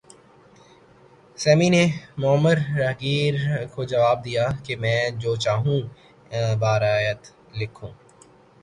semi نے معمر راہگیر کو جواب دیا کہ میں جو چاہوں بہ رعایت لکھوں